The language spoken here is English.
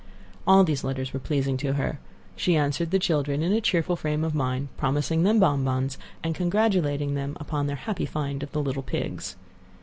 All these letters were pleasing to her. She answered the children in a cheerful frame of mind, promising them bonbons, and congratulating them upon their happy find of the little pigs.